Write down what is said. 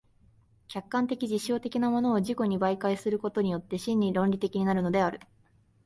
客観的実証的なものを自己に媒介することによって真に論理的になるのである。